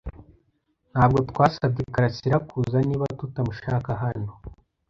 Ntabwo twasabye karasira kuza niba tutamushaka hano.